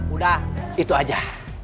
udah itu aja